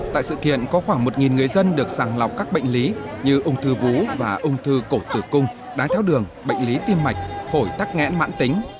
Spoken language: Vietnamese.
tại sự kiện có khoảng một người dân được sàng lọc các bệnh lý như ung thư vú và ung thư cổ tử cung đái tháo đường bệnh lý tim mạch phổi tắc nghẽn mãn tính